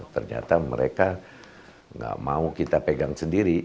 ternyata mereka nggak mau kita pegang sendiri